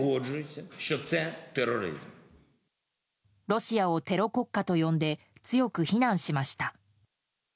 ロシアをテロ国家と呼んで強く非難しました。